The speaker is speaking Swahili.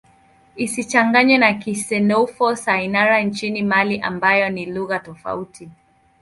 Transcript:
Isichanganywe na Kisenoufo-Syenara nchini Mali ambayo ni lugha tofauti.